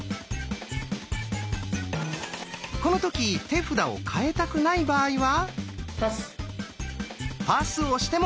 この時手札を換えたくない場合は。